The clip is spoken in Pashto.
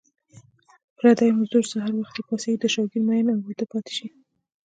پردی مزدور سحر وختي پاڅېږي د شوګیرو مین اوده پاتې شي